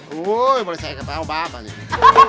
โฮ้โรยใส่ใก่กระเป๋าบ้าง